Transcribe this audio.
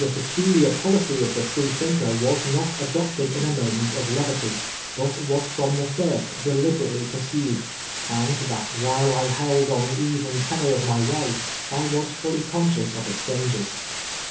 peculiar policy of the Freethinker was not adopted in a moment of levity, but was from the first deliberately pursued ; and that while I held on the even tenor of my way, I was fully conscious of its dangers.